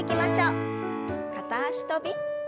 片脚跳び。